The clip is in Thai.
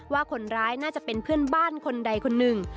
ว่าคนร้ายน่าจะเป็นเพื่อนบ้านคนใดคนหนึ่ง